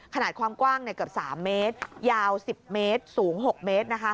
ขนาดความกว้างเกือบ๓เมตรยาว๑๐เมตรสูง๖เมตร